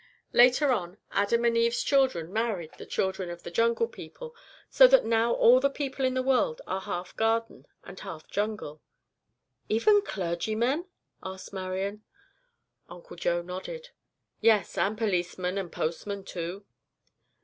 Later on Adam and Eve's children married the children of the jungle people; so that now all the people in the world are half Garden and half jungle." "Even clergymen?" asked Marian. Uncle Joe nodded. "Yes, and policemen and postmen too."